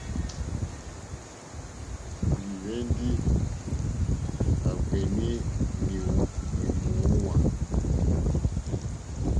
Lìhwɛ̀ndì á gbēánì lì mòóŋwà.